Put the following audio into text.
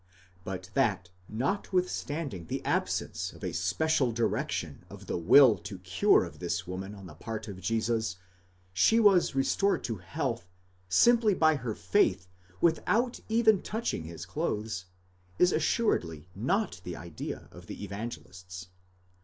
But that, notwithstanding the absence of a special direction of the will to the cure of this woman on the part of Jesus, she was restored to health, simply by her faith, without even touching his clothes, is assuredly not the idea of the Evangelists.